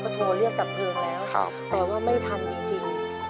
โทรเรียกดับเพลิงแล้วแต่ว่าไม่ทันจริง